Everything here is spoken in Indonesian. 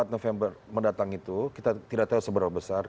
empat november mendatang itu kita tidak tahu seberapa besar